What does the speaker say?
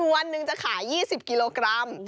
วันหนึ่งจะขาย๒๐กิโลกรัม